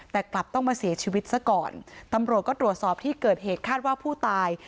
แต่กลับต้องมาเสียชีวิตซะก่อนตำรวจก็ตรวจสอบที่เกิดเหตุคาดว่าผู้ตาย